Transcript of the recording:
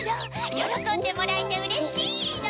よろこんでもらえてうれしの！